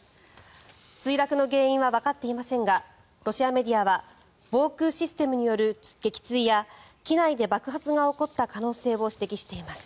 墜落の原因はわかっていませんがロシアメディアは防空システムによる撃墜や機内で爆発が起こった可能性を指摘しています。